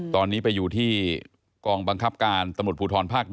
ตอนนี้ไปอยู่ที่กองบังคับการตำรวจภูทรภาค๑